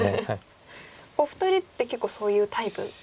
お二人って結構そういうタイプの？